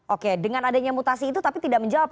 oke dengan adanya mutasi itu tapi tidak menjawab